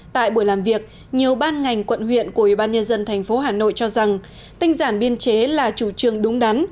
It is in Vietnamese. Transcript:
tại buổi làm việc nhiều ban ngành quận huyện của ubnd tp hà nội cho rằng tinh giản biên chế là chủ trương đúng đắn